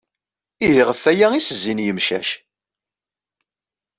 Ihi ɣef waya i as-zzin yemcac.